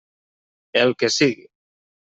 El que sigui.